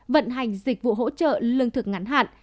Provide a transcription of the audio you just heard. vận hành dịch vụ hỗ trợ lương thực ngắn hạn